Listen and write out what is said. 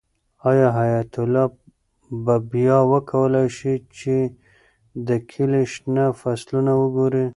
آیا حیات الله به بیا وکولی شي چې د کلي شنه فصلونه وګوري؟